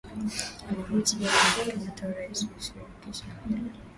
Alimwachia Jomo Kenyatta urais wa Shirikisho hilo